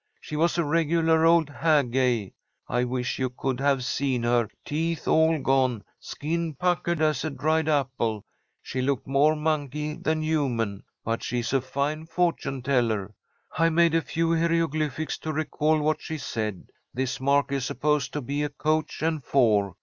She was a regular old hag, Gay. I wish you could have seen her, teeth all gone; skin puckered as a dried apple; she looked more monkey than human. But she's a fine fortune teller. I made a few hieroglyphics to recall what she said. This mark is supposed to be a coach and four.